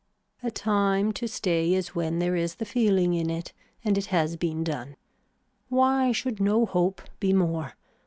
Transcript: A time to stay is when there is the feeling in it and it has been done. Why should no hope be more.